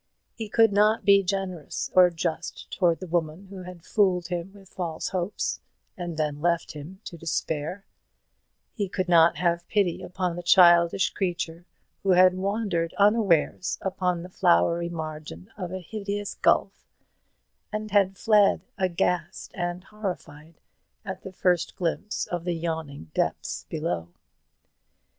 He could not be generous or just towards the woman who had fooled him with false hopes, and then left him to despair; he could not have pity upon the childish creature who had wandered unawares upon the flowery margin of a hideous gulf, and had fled, aghast and horrified, at the first glimpse of the yawning depths below.